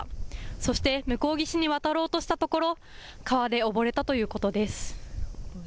そして向こう岸に渡ろうとしたところ、川で溺れたということです。